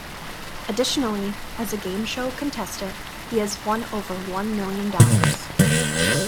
Additionally, as a game-show contestant, he has won over one million dollars.